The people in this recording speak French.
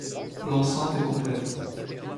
L’enceinte est complète.